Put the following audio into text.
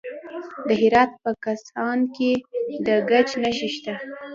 د هرات په کهسان کې د ګچ نښې شته.